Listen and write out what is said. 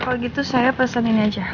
kalau gitu saya pesenin aja